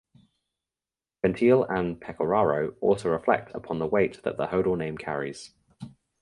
Gentile and Pecoraro also reflect upon the weight that the Hodel name carries.